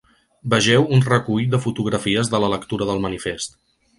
Vegeu un recull de fotografies de la lectura del manifest.